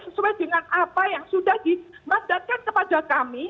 sesuai dengan apa yang sudah dimandatkan kepada kami